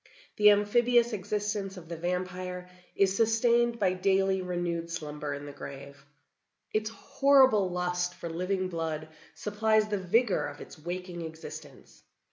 The amphibious existence of the vampire is sustained by daily renewed slumber in the grave. Its horrible lust for living blood supplies the vigor of its waking existence.